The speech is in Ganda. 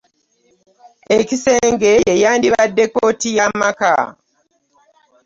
Ekisenge ye yandibadde kkooti y'amaka.